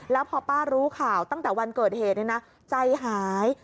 แล้วพอป้ารู้ข่าวตั้งแต่วันเกิดเหตุใจหาย